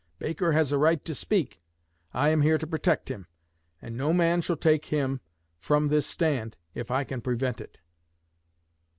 Baker has a right to speak. I am here to protect him, and no man shall take him from this stand if I can prevent it.'